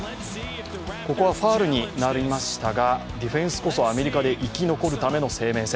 ここはファウルになりましたが、ディフェンスこそアメリカで生き残るための生命線。